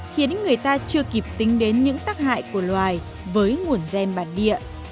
khiến người ta chưa kịp tính đến những tác hại của loài với nguồn gen bản địa